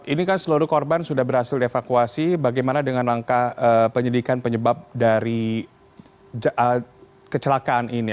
ini kan seluruh korban sudah berhasil dievakuasi bagaimana dengan langkah penyidikan penyebab dari kecelakaan ini